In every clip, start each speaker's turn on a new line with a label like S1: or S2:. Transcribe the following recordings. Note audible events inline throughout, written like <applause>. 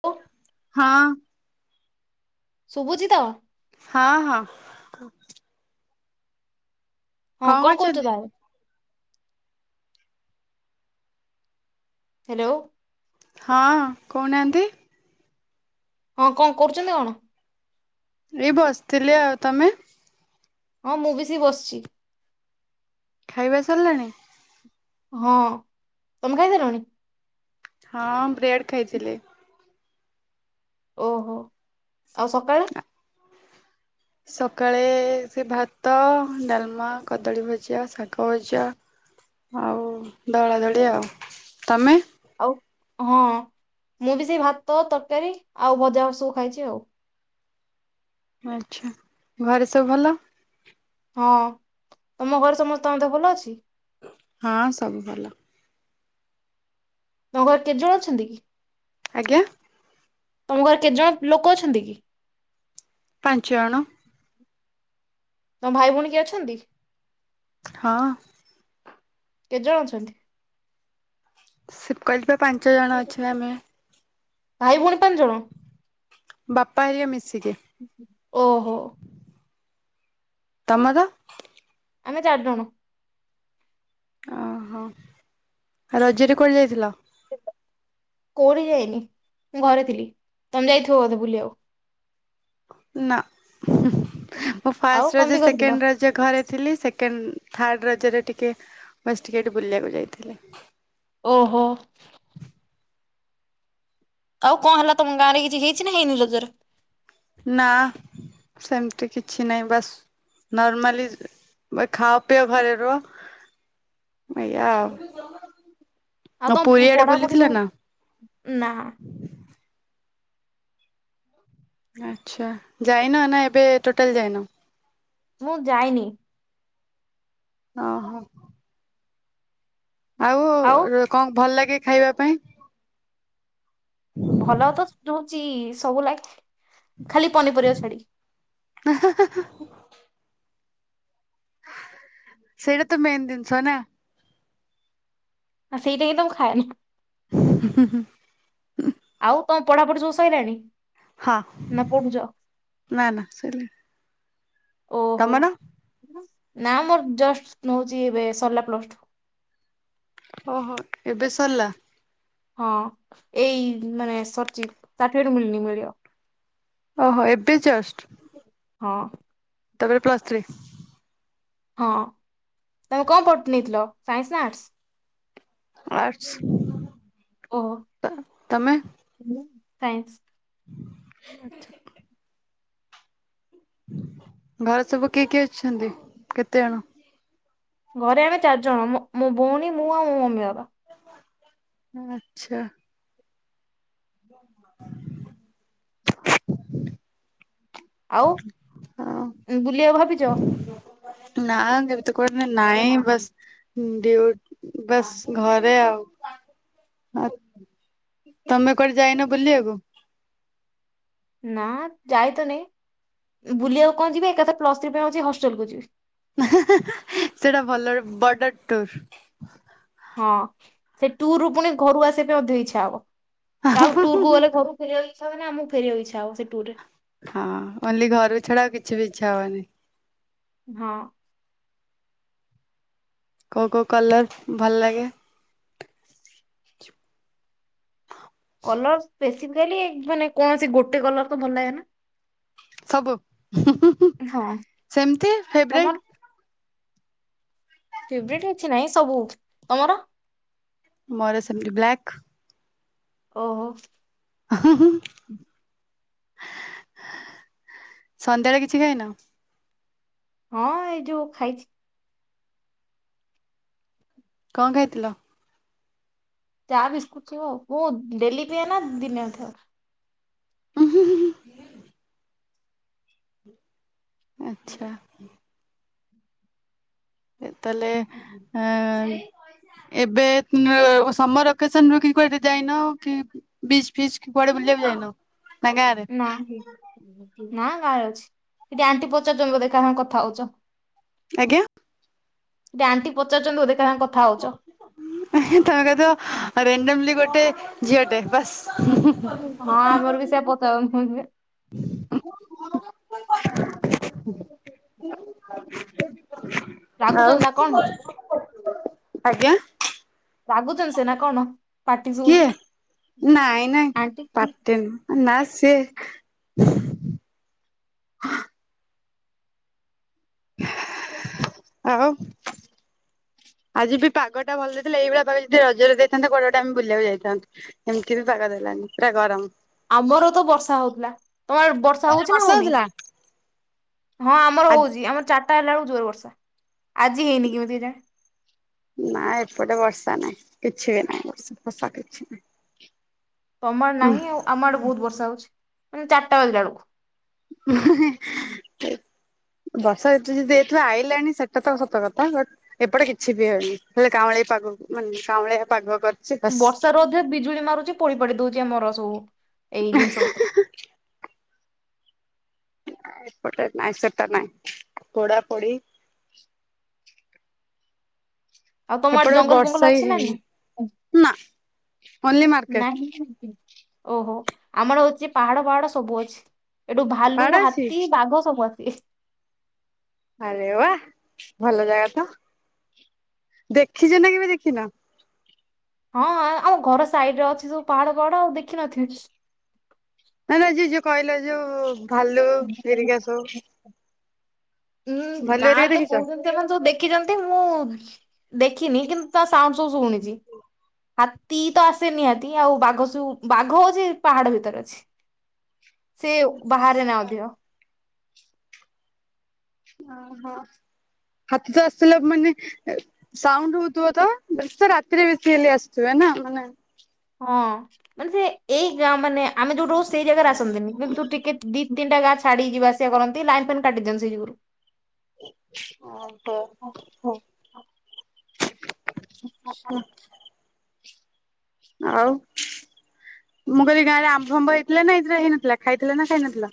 S1: ଓ
S2: ହଁ।
S1: ଶୁଭୁଛିି ତ?
S2: ହଁ ହଁ।
S1: ହଁ କଣ କହୁଛ ତାହେଲେ? ହ୍ୟାଲୋ।
S2: ହଁ କହୁନାହାନ୍ତି?
S1: ହଁ କଣ କରୁଛନ୍ତି କଣ?
S2: ଏଇ ବସିଥିଲି ଆଉ ତମେ?
S1: ହଁ ମୁଁ ବି ସେ ବସିଛି।
S2: ଖାଇବା ସରିଲାଣି?
S1: ହଁ ତମେ ଖାଇ ସାରିଲଣି?
S2: ହଁ ବ୍ରେଡ଼୍ ଖାଇଥିଲି।
S1: ଓହୋ। ଆଉ ସକାଳେ?
S2: ସକାଳେ ସେ ଭାତ, ଡାଲମା, କଦଳୀ ଭଜା, ଶାଗ ଭଜା ଆଉ ଦଳା ଦଳି ଆଉ। ତମେ?
S1: ଆଉ ହଁ ମୁଁ ବି ସେଇ ଭାତ, ତରକାରୀ ଆଉ ଭଜା ସବୁ ଖାଇଚି ଆଉ।
S2: ଆଛା ଘରେ ସବୁ ଭଲ?
S1: ହଁ। ତମ ଘରେ ସମସ୍ତଙ୍କ ଦେହ ଭଲ ଅଛି?
S2: ହଁ ସବୁ ଭଲ।
S1: ତ ଘରେ କେତେଜଣ ଅଛନ୍ତି କି?
S2: ଆଜ୍ଞା।
S1: ତମ ଘରେ କେତେ ଜଣ ଲୋକ ଅଛନ୍ତି କି?
S2: ପାଞ୍ଚ ଜଣ।
S1: ତମ ଭାଇ ଭଉଣୀ କିଏ ଅଛନ୍ତି?
S2: ହଁ।
S1: କେତେଜଣ ଅଛନ୍ତି?
S2: ଶି କଇଲିପା ପାଞ୍ଚ ଜଣ ଅଛୁ ଆମେ।
S1: ଭାଇ ଭଉଣୀ ପାଞ୍ଚ ଜଣ?
S2: ବାପା ଇଏ ମିଶିକି।
S1: ଓହୋ।
S2: ତମ ର।
S1: ଆମେ ଚାରି ଜଣ।
S2: ଓହୋ ରଜରେ କୁଆଡେ ଯାଇଥିଲ?
S1: କୋଉଠି କି ଯାଇନି ମୁଁ ଘରେ ଥିଲି। ତମେ ଯାଇଥିବ ବୋଧେ ବୁଲି ବାକୁ?
S2: ନା ମୁଁ
S1: ଆଉ
S2: ଫାଷ୍ଟ
S1: କଣ
S2: ରଜ
S1: ବି କରିଥିଲ?
S2: ସେକେଣ୍ଡ ର ଯେ ଘରେ ଥିଲି ସେକେଣ୍ଡ ଥାର୍ଡ଼ ରଜରେ ଟିକିଏ ବସ୍ ଟିକେ ଏଠି ବୁଲିବାକୁ ଯାଇଥିଲି।
S1: ଓହୋ। ଆଉ କଣ ହେଲା ତମ ଗାଁରେ କିଛି ହେଇଚି ନା ହେଇନି ରଜରେ?
S2: ନା ସେମତି କିଛି ନାହିଁ ବାସ୍ ନର୍ମାଲି ଖାଅ ପିଅ ଘରେ ରୁଅ। ଏଇଆ
S1: ଆଉ
S2: ଆଉ।
S1: ତମ
S2: ପୁରୀ ଆଡେ
S1: ପଢାପଢି
S2: ବୁଲିଥିଲା
S1: ସବୁ
S2: ନା?
S1: ନା।
S2: ଆଚ୍ଛା ଯାଇନ ନା ଏବେ ଟୋଟାଲ ଯାଇନ?
S1: ମୁଁ ଯାଇନି।
S2: ଓ ହୋ। ଆଉ କଣ ଭଲ ଲାଗେ ଖାଇବା ପାଇଁ?
S1: ଭଲ ତ <unintelligible> ସବୁ ଲାଗେ ଖାଲି ପନିପରିବା ଛାଡିକି।
S2: ହ। ସେଟା ତ ମେନ ଜିନିଷ ନା।
S1: ଆଉ ସେଇଟା ହିତ ମୁଁ ଖାଏନି।
S2: ହ ହୁଁ।
S1: ଆଉ କଣ ପଢାପଢି ସବୁ ସଇଲାଣି?
S2: ହଁ
S1: ନା ପଢୁଛ?
S2: ନା ନା ସଇଲାଣି।
S1: ଓହୋ। ନା ମ ଜଷ୍ଟ ନୋଉଚି ଏବେ ସରଲା ପ୍ଲସ ଟୁ।
S2: ଓହୋ ଏବେ ସରିଲା।
S1: ହଁ ଏଇ ମାନେ ସର୍ଚ <unintelligible> ମିଳନି ମିଳିବ।
S2: ଓହୋ ଏବେ ଜଷ୍ଟ।
S1: ହଁ।
S2: ତାପରେ ପ୍ଲସ୍ ଥ୍ରୀ।
S1: ହଁ ତମେ କଣ ପଠ୍ ନେଇଥିଲ ସାଇନ୍ସ ନା ଆର୍ଟସ। ଓହୋ
S2: ଆର୍ଟସ୍ ତମେ।
S1: ସାଇନ୍ସ।
S2: ଆଛା। ଘରେ ସବୁ କିଏ କିଏ ଅଛନ୍ତି କେତେଜଣ।
S1: ଘରେ ଆମେ ଚାରିଜଣ ମୋ ମୋ ଭଉଣୀ ମୁଁ ଆଉ ମୋ ମମି ବାବା।
S2: ହୁଁ ଆଛା। ହ <inaudible>
S1: ଆଉ
S2: ହଁ
S1: ଉଁ ବୁଲିଆକୁ ଭାବିଛ।
S2: ନା ଏବେ ତ କୁଆଡେ ନାଇଁ ବସ୍। ଡି ଉ ଟ୍ ବସ୍ ଘରେ ଆଉ। ତମେ କୁ ଆଡେ ଯାଇନ ବୁଲିଆକୁ।
S1: ନା ଯାଇ ତ ନାଇ ବୁଲିବାକୁ କଁ ଯିବି ଏକାଥାରେ ପ୍ଲସ ଥ୍ରୀ ପାଇଁ ହଉଛି ହଷ୍ଟେଲକୁୁ ଯିବି।
S2: ହେଁ ହେଁ ହେଁ ସେଟା ଭଲ ରେ ବଡ ଟୁର।
S1: ହଁ ସେ ଟୁର୍ ରୁ ପୁଣି ଘରୁକୁ ଆସିବା ପାଇଁ ମଧ୍ୟ ଇଚ୍ଛା ହବ କାହା ଟୁର କୁ ଗଲେ ଘରୁ। ଫେରିବାକୁ ଇଛା ହୁଏନା ଆମକୁ ଫେରିିବାକୁ ଇଛ ହବ ସେ ଟୁ ରେ।
S2: ହଁ ଓନ୍ଲି ଘର କୁ ଛଡା ଆଉ କିଛି ବି ଇଚ୍ଛା ହବନି।
S1: ହଁ।
S2: କୋ ଉ କୋଉ କଲର ଭଲ ଲାଗେ।
S1: କଲର ସ୍ପେସିଫିକାଲି ମାନେ କୌଣସି ଗୋଟେ କଲର ତ ଭଲ ଲାଗେ ନା।
S2: ସବୁ ହୁଁ ହୁଁ ହୁଁ
S1: ହଁ
S2: ସେମିତି ଫେବରାଇଟ୍।
S1: ତମର ଫେବେରାଇଟ୍ କିଛି ନାଇଁ ସବୁ ତମର।
S2: ମୋର ସେମିତି ବ୍ଲାକ୍।
S1: ଓହୋ।
S2: ହୁଁ ହୁଁ ସନ୍ଧ୍ୟା ବେଳେ କିଛି ଖାଇନ।
S1: ହଁ ଏଇ ଯୋଉ ଖାଇଛି।
S2: କଁ ଖାଇ ଥିଲ।
S1: ଚା ବିସ୍କୁଟ ସହ ଆଉ ମୁଁ ଡେଲି ପିଏ ନା ଦିନେ ଅଧେ ଆଉ।
S2: <unintelligible> ଆଚ୍ଛା। ଏ ତାହେଲେ ଆଁ। ଏବେ ଉଁ ଓ ସମର ଭ୍ୟାକେସନ ରେ କିଛି କୁଆଡେ ଯାଇନ କି। ବିଚ୍ ଫିଚ୍ କି କୁଆଡେ ବୁଲିବାକୁ ଯାଇନ। ନା ଗାଁରେ
S1: ନାହି ନା ଘରେ ଅଛି ସେଠି ଆଣ୍ଟି ପଚାରୁଛନ୍ତି ବୋଧେ କାହା ସାଂଗେ କଥା ହଉଛ।
S2: ଆଜ୍ଞା।
S1: ସେଠି ଆଣ୍ଟି ପଚାରୁଛନ୍ତି ବୋଧେ କାହା ସାଙ୍ଗେରେ କଥା ହଉଛ।
S2: ତମେ କହିଦବ ରାଣ୍ଡମ ଲି ଗୋଟେ ଝିଅଟେ ବାସ୍।
S1: ହଁ ଆମର ବି ସେୟା ପଚାରନ୍ତି <inaudible>
S2: <inaudible>
S1: ରାଗୁଛନ୍ତି
S2: ଆଉ
S1: ନା କଣ?
S2: ଆଜ୍ଞା।
S1: ରାଗୁଛନ୍ତି ସେ ନା କଣ। ପାଟି
S2: କିଏ
S1: ଶୁଭୁଛି
S2: ନାଇଁ ନାଇଁ
S1: ଆଣ୍ଟି
S2: ପାଟି ନୁଅ ନା ସିଏ। <inaudible> ଆଉ। ଆଜି ବି ପାଗଟା ଭଲ ଦେଇଥିଲା ଏଇଭଳିଆ ପାଗ ଯଦି ରଜରେ ଦେଇଥାନ୍ତ କୁଆଡେ ଗୋଟେ ଆମେ ବୁଲିବାକୁ ଯାଇଥାନ୍ତୁ। ଏମିତି ବି ପାଗ ଦେଲାନି ପୁରା ଗରମ।
S1: ଆମର ତ ବର୍ଷା ହଉଥିଲା। ତମର ବର୍ଷା
S2: ରଜରେ
S1: ହଉଛି ନା ହଉନି।
S2: ହଉଥିଲା?
S1: ହଁ ଆମର
S2: ଆଜି
S1: ହଉଛି ଆମର ଚା ଟା ହାଲାବେଳକୁ ଜୋର ବର୍ଷା ଆଜି ହେଇନି କେମିତି କେଜାଣି।
S2: ନା ଏପଟେ ବର୍ଷା ନାହିଁ କିଛି ବି ନାହିଁ ବର୍ଷା ଫର୍ଷା କିଛି ନାହିଁ।
S1: ତମର
S2: ହୁଁ
S1: ନାହିଁ ଆଉ ଆମ ଆଡେ ବହୁତ ବର୍ଷା ହଉଛି ମାନେ ଚାରିଟା ବେ ବେଳକୁ।
S2: ହ <unintelligible> ବର୍ଷା ଏତ ଯଦି ଏଠୁ ଆଇଲାଣି ସେଟା ତ ସତ କଥା ବଟ୍ ଏପଟେ କିଛି ବି ହଉନି ହେଲେ କାଉଁଳି ପାଗ କାଉଁଳିଆ ପାଗ କରି
S1: ବର୍ଷା ରୁ ଅଧେ ବିଜୁଳି ମାରୁଚି ପୋଡିପାଡି ଦଉଚି ଆମର ସବୁ ଏଇ ଜିନିଷପତ୍ର।
S2: ଏପଟେ ନାଇଁ ସେଟା ନାଇଁ ପୋଡାପୋଡି
S1: ଆଉ ତମଆଡେ
S2: ଏପଟେ
S1: ଜଙ୍ଗଲ
S2: ବର୍ଷା
S1: ଫଙ୍ଗଲ
S2: ହିଁ
S1: ଅଛି ନା ନି
S2: ହେଇନି
S1: ନାହିଁ?
S2: ନା ଓନ୍ଲି
S1: <unintelligible>
S2: ମାର୍କେଟ
S1: ନାହିଁ। ଓହୋ ଆମର ହଉଚି ପାହାଡ ଫାହାଡ ସବୁଅଛି। ଏଠୁ ଭାଲୁ
S2: ପାହାଡ ଅଛି
S1: ହାତୀ ବାଘ ସବୁ ଆସିବେ।
S2: ଆରେ ବା ଭଲଜାଗା ତ ଦେଖିଚ ନା କେବେ ଦେଖିନା?
S1: ହଁ ହଁ ଆଉ ଘର ସାଇଡରେ ଅଛି ସବୁ ପାହାଡ ଫାହାଡ ଆଉ ଦେଖିନଥିବି।
S2: ନାଇଁ ନାଇଁ ଯି ଯୋଉ କହିଲ ଯୋଉ ଭାଲୁ ଗରିଗା ସବୁ।
S1: ଉଁ
S2: ଭାଲୁ ହେରିକା
S1: ଗାଁରେ ତ
S2: ଦେଖିଛ?
S1: କହୁଚନ୍ତି ସେମାନେ ସବୁ ଦେଖିଚନ୍ତି ମୁଁ ଦେଖିନି କିନ୍ତୁ ତା ସାଉଣ୍ଡ ସବୁ ଶୁଣିଚି। ହାତୀ ତ ଆସେ ନିହାତି ଆଉ ବାଘସବୁ ବାଘ ଅଛି ପାହାଡ ଭିତରେ ଅଛି। ସେ ବାହାରେ ନଥିବ।
S2: ଅହ ହାତୀ ତ ଆସିଲା ମାନେ ସାଉଣ୍ଡ ହଉଥିବ ତ ସେ ରାତିରେ ବେଶୀ ହେଲେ ଆସୁଥିବେ ନା ମାନେ
S1: ହଁ ମାନେ ସେ ଏଇ ଗାଁ ମାନେ ଆମେ ଯୋଉଠୁ ରହୁ ସେଇ ଜାଗାରେ ଆସନ୍ତିନି କିନ୍ତୁ ଟିକେ ଦି ତିନିଟା ଗାଁ ଛାଡିକି ଯିବା ଆସିବା କରନ୍ତି ଲାଇନ୍ ଫାଇନ୍ କାଟିଦିଅନ୍ତି ସେଇଯୁଗୁରୁ।
S2: ହଁ ପା
S1: ଓହୋ।
S2: <inaudible>
S1: <unintelligible>
S2: ହ ଆଉ। ମୁଁ କହିଲି ଗାଁରେ ଆମ୍ବଫାମ୍ବ ହେଇଥିଲା ନା ଏଇଥର ହେଇନଥିଲା ଖାଇଥିଲ ନା ଖାଇନଥିଲ।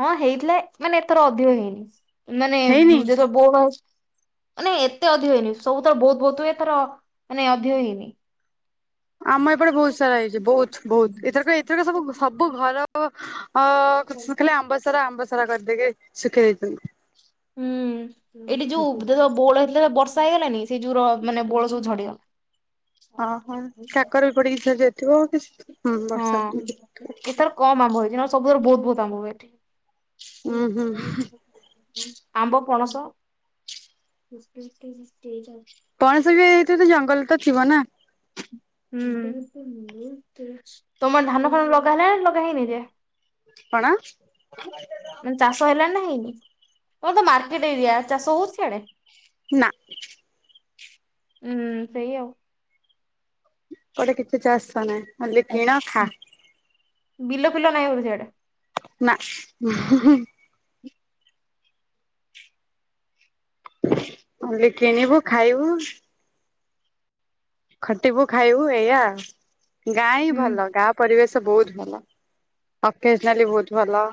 S1: ହଁ ହେଇଥିଲା ମାନେ ଏଥର ଅଧିକ ହେଇନି ମାନେ
S2: ହେଇନି
S1: ଯେ ସବୁ ବୋଉଳ ମାନେ ଏତେ ଅଧିକ ହେଇନି ସବୁଥର ବହୁତ ବହୁତ ହୁଏ ଏଥର ମାନେ ଅଧିକ ହେଇନି।
S2: ଆମ ଏପଟେ ବହୁତ ସାରା ହେଇଚି ବହୁତ ବହୁତ। ଏଇଥରକ ଏଇଥରକ ସବୁ ସବୁ ଘର ଅ କିଲେ ଆମ୍ବସରା ଆମ୍ବସରା କରିଦେଇକି ସୁଖେଇ ଦେଇଚନ୍ତି।
S1: ହୁଁ ଏଇଠି ଯୋଉ <unintelligible> ବଉଳ ହେଇଥିଲା ବର୍ଷା ହେଇଗଲାନି ସେଇ ଯୋଉ ର ମାନେ ବଉଳ ସବୁ ଝଡିଗଲା।
S2: ଅହ କାକର ବି ପଡିକି ଝଡିଯାଇଥିବ ଇସ ହୁଁ ବର୍ଷା
S1: ହଁ
S2: ପଡିକି ଝଡି ଯାଇଥିବ।
S1: ଏଥର କମ ଆମ୍ବ ହେଇଚି ନହଲେ ସବୁବଳେ ବହୁତ ବହୁତ ଆମ୍ବ ହୁଏ ଏଠି।
S2: ଉୁଁ ହୁଁ
S1: ଆମ୍ବ ପଣସ <inaudible>
S2: ପଣସ ବି ହେଉଚି ତ ଜଙ୍ଗଲ ତ ଥିବ ନା?
S1: ହୁଁ ତମଆଡେ ଧାନଫାନ ଲଗାହେଲା ଲଗାହେଇନି ଏ ଯାଏ?
S2: କଣ
S1: <inaudible> ମାନେ ଚାଷ ହେଲାଣି ନା ହେଇନି? ତମର ତ ମାର୍କେଟ ଏରିଆ ଚାଷ ହଉଚି ସିଆଡ଼େ?
S2: ନାଁ।
S1: ଉଁ ସେଇ ଆଉ।
S2: କହିଲି କିଛି ଚାଷ ନାହିଁ ଖାଲି କିଣ ଖା।
S1: ବିଲ ଫିଲ ନାହିଁ ବୋଧେ ସିଆଡେ?
S2: ନାଁ। <unintelligible> ମୁଁ କହିଲି କିଣିବୁ ଖାଇବୁ। ଖଟିବୁ ଖାଇବୁ ଏଇଆ ଆଉ ଗାଁ ହିଁ
S1: ହୁଁ
S2: ଭଲ ଗାଁ ପରିବେଶ ବୋହୁତ ଭଲ ଅକେଜନାଲି ବୋହୁତ ଭଲ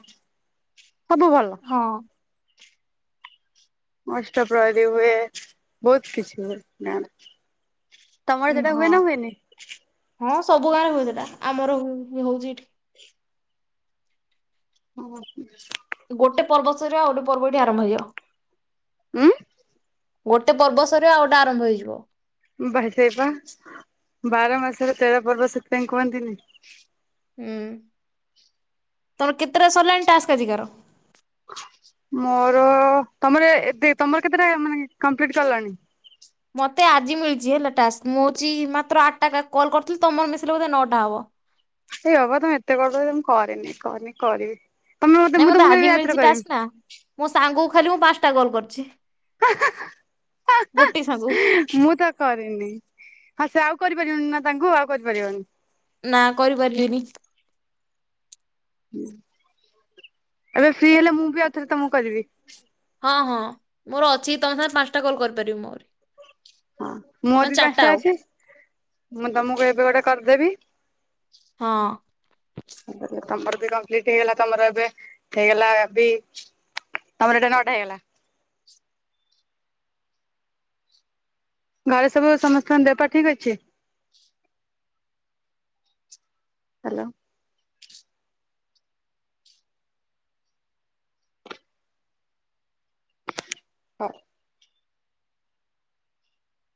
S2: ସବୁଭଲ।
S1: ହଁ।
S2: ଅଷ୍ଟପ୍ରହରୀ ହୁଏ ବୋହୁତ କିଛି ହୁଏ ଗାଁରେ। ତମର
S1: ଉଁ
S2: ସେଟା ହୁଏ
S1: ହଁ।
S2: ନା ହୁଏନି?
S1: ହଁ ସବୁ ଗାଁରେ ହୁଏ ସେଟା। ଆମର ହୁ ହଉଚି ଏଠି।
S2: ଓ ହଁ।
S1: ଗୋଟେ ପର୍ବ ସରିବ ଆଉ ଗୋଟେ ପର୍ବ ଏଠି ଆରମ୍ଭ ହେଇଯିବ।
S2: ଉଁ
S1: ଗୋଟେ ପର୍ବ ସରିବ ଆଉ ଗୋଟେ ଆରମ୍ଭ ହେଇଯିବ।
S2: <unintelligible> ସେଇପା ବାର ମାସରେ ତେର ପର୍ବ ସେଥିପାଇଁ କୁହନ୍ତିନି।
S1: ହୁଁ ତମର କେତେଟା ସରିଲାଣି ଟାସ୍କ ଆଜିକାର।
S2: ମୋର ତମର ଏ-ଏତେ ତମର କେତେଟା ମାନେ କମ୍ପ୍ଲିଟ ସରିଲାଣି?
S1: ମତେ ଆଜି ମିଳିଚି ହେଲା ଟାସ୍କ। ମୁଁ ହଉଚି ମାତ୍ର ଆଠଟା କେ କଲ୍ କରିଥିଲି ତମର ମିଶିଲେ ବୋଧେ ନଅଟା ହବ।
S2: ଏ ବାପ ତମେ ଏତେ କରି ଦ‌ଉଚ ମୁଁ କରିନି କରିନି କରିବି। ତମେ ମତେ
S1: ନାଇଁ
S2: ମୁଁ ତମକୁ
S1: ଆଜି
S2: <unintelligible>
S1: ମିଳିଛି
S2: ରାତିରେ
S1: ଟାସ୍କ
S2: କରିବି।
S1: ନା ମୋ ସାଙ୍ଗକୁ ଖାଲି ମୁଁ ପାଞ୍ଚଟା କଲ୍ କରିଚି ଗୋଟେ ସାଙ୍ଗ
S2: ମୁଁ ତ କରିନି। ହଁ ସେ ଆଉ କରିପାରିବନି ନା ତାଙ୍କୁ ଆଉ କରିପାରିବନି।
S1: ନା କରିପାରିବିନି।
S2: ହୁଁ ଏବେ ଫ୍ରି ହେଲେ ମୁଁ ବି ଆଉ ଥରେ ତମକୁ କରିବି।
S1: ହଁ ହଁ ମୋର ଅଛି। ତମ ସାଙ୍ଗରେ ପାଞ୍ଚଟା କଲ୍ କରିପାରିବି ମୁଁ ଆହୁରି।
S2: ହଁ ମୋର ବି ପାଞ୍ଚଟା ଅଛି। ମୁଁ ତମକୁ ଏବେ ଗୋଟେ କରିଦେବି।
S1: ହଁ।
S2: <unintelligible> ତମର ବି କମ୍ପ୍ଲିଟ ହେଇଗଲା ତମର ଏବେ ହେଇଗଲା ବି ତମର ଏଇଟା ନଅଟା ହେଇଗଲା। ଘରେ ସବୁ ସମସ୍ତଙ୍କ ଦେହ ପା ଠିକ୍ ଅଛି। ହାଲୋ। ହଁ।